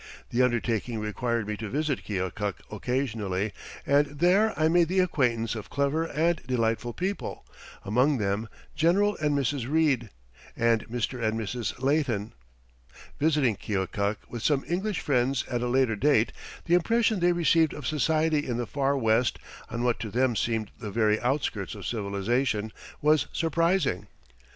The undertaking required me to visit Keokuk occasionally, and there I made the acquaintance of clever and delightful people, among them General and Mrs. Reid, and Mr. and Mrs. Leighton. Visiting Keokuk with some English friends at a later date, the impression they received of society in the Far West, on what to them seemed the very outskirts of civilization, was surprising.